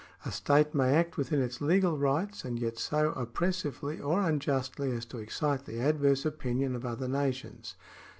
A state may act within its legal rights, and yet so oppressively or unjustly as to excite the adverse opinion of other nations.